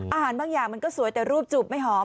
บางอย่างมันก็สวยแต่รูปจูบไม่หอม